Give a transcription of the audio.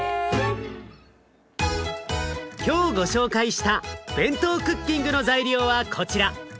今日ご紹介したＢＥＮＴＯクッキングの材料はこちら。